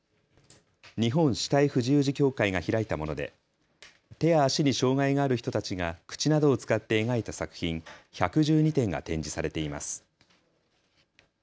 日本肢体不自由児協会が開いたもので手足に障害がある人たちが口などを使って描いた作品１１２点が展示されています。